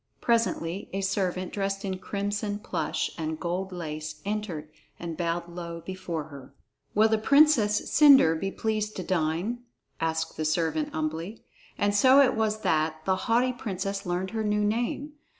Presently a servant dressed in crimson plush and golden lace entered and bowed low before her. "Will the Princess Cendre be pleased to dine?" asked the servant humbly, and so it was that the haughty princess learned her new name.